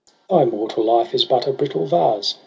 ' Thy mortal life is but a brittle vase.